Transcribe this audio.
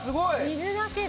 水だけで？